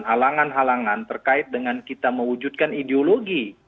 halangan halangan terkait dengan kita mewujudkan ideologi